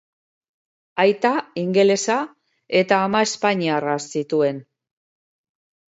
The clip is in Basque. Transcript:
Aita ingelesa eta ama espainiarra zituen.